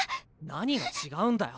何がちがうんだよ。